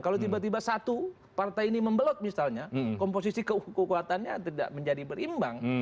kalau tiba tiba satu partai ini membelot misalnya komposisi kekuatannya tidak menjadi berimbang